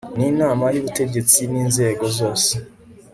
n inama y ubutegetsi n inzego zose